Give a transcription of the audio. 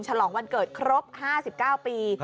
ฉลองวันเกิดครบ๕๙ปี